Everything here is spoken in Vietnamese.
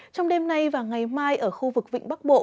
trong đêm nay và ngày mai ở khu vực vịnh bắc bộ